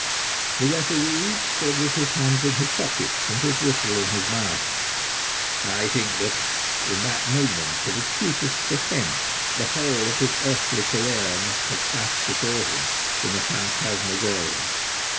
The referee stood with his hands in his pockets and his whistle in his mouth. I think that in that moment of acutest suspense the whole of his earthly career must have flashed before him in a phantasmagoria.